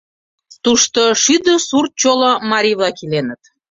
Тушто шӱдӧ сурт чоло марий-влак иленыт.